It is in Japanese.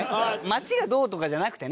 街がどうとかじゃなくてね